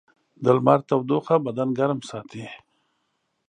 د لمر تودوخه بدن ګرم ساتي.